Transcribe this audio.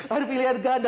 baru pilihan ganda